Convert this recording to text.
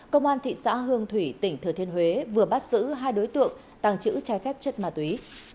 công an thị xã hương thủy tỉnh thừa thiên huế vừa bắt giữ hai đối tượng tăng chữ trái phép chất ma túy